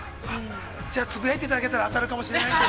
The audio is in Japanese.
◆じゃあつぶやいていただいたら、当たるかもしれないので。